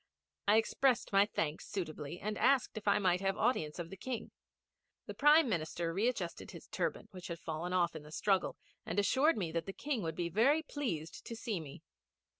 I expressed my thanks suitably, and asked if I might have audience of the King. The Prime Minister readjusted his turban, which had fallen off in the struggle, and assured me that the King would be very pleased to see me.